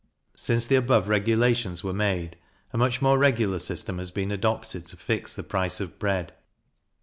[Since the above regulations were made, a much more regular system has been adopted to fix the price of bread.